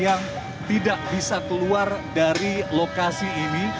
yang tidak bisa keluar dari lokasi ini